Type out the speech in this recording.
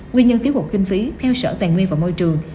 nguyên nhân thiếu hụt kinh phí theo sở tài nguyên và môi trường